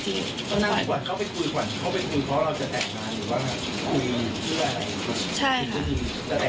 ถ้านั่งขวัญเข้าไปคุยขวัญเข้าไปคุยเพราะเราจะแตกงานหรือเปล่านะ